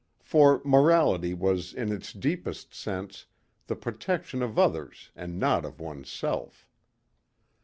For morality was in its deepest sense, the protection of others and not of one's self.